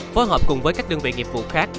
phối hợp cùng với các đơn vị nghiệp vụ khác